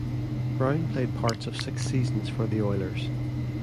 Brown played parts of six seasons for the Oilers.